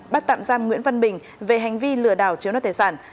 bắt tạm giam nguyễn văn bình về hành vi lừa đảo chiếu nât tài sản